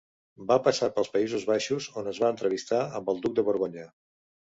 Va passar pels Països Baixos on es va entrevistar amb el duc de Borgonya.